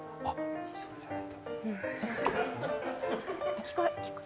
それじゃない？